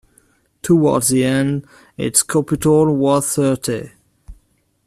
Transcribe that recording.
Towards the end, its capital was Cirta.